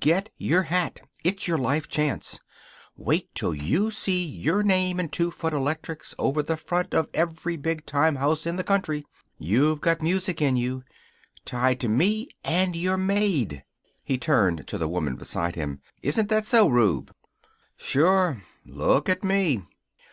"Get your hat. It's your life chance. Wait till you see your name in two foot electrics over the front of every big time house in the country. You've got music in you. Tie to me and you're made." He turned to the woman beside him. "Isn't that so, Rube?" "Sure. Look at ME!"